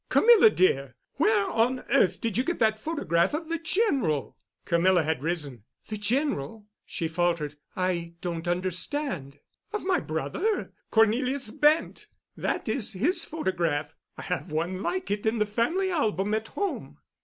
Camilla, dear, where on earth did you get that photograph of the General?" Camilla had risen. "The General?" she faltered. "I don't understand." "Of my brother—Cornelius Bent—that is his photograph. I have one like it in the family album at home."